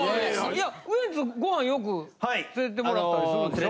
いやウエンツご飯よく連れてってもらったりするんでしょ？